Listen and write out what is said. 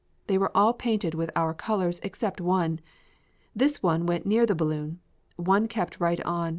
They were all painted with our colors except one. This one went near the balloon. One kept right on.